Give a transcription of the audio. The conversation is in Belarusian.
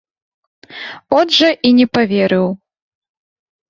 От жа і не паверыў.